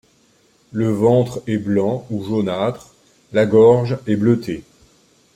Le ventre est blanc ou jaunâtre, la gorge est bleutée.